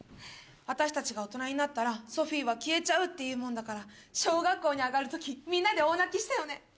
私たちが大人になったらソフィーは消えちゃうって言うもんだから小学校に上がるときみんなで大泣きしたよね